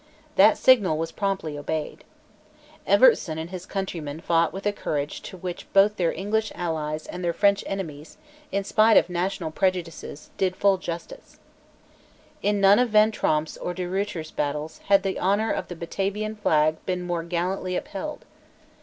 That signal was promptly obeyed. Evertsen and his countrymen fought with a courage to which both their English allies and their French enemies, in spite of national prejudices, did full justice. In none of Van Tromp's or De Ruyter's battles had the honour of the Batavian flag been more gallantly upheld.